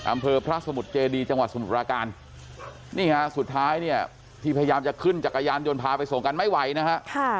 อำเภอพระสมุทรเจดีจังหวัดสมุทรปราการนี่ฮะสุดท้ายเนี่ยที่พยายามจะขึ้นจักรยานยนต์พาไปส่งกันไม่ไหวนะฮะ